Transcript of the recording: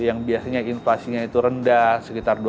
yang biasanya inflasinya itu rendah sekitar